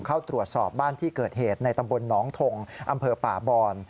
เข้าตรวจสอบบ้านที่เกิดเหตุในตำบลหนองทงอำเภอป่าบอน